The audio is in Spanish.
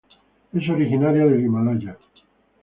Es originaria del Himalaya.